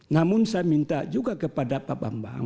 namun saya minta juga kepada pak bambang